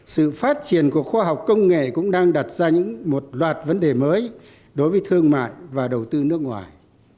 sự phát triển của khoa học công nghệ cũng đang đặt ra một loạt vấn đề mới đối với thương mại và đầu tư nước ngoài